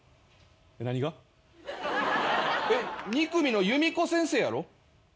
２組のユミコ先生やろ？